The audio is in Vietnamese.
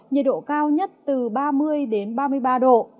nhiệt độ cao nhất từ ba mươi ba mươi ba độ